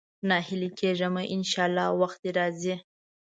ناهيلی کېږه مه، ان شاءالله وخت دې راځي.